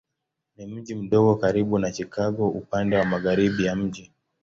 Ni mji mdogo karibu na Chicago upande wa magharibi ya mji.